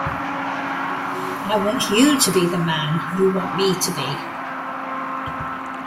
I want you to be the man you want me to be.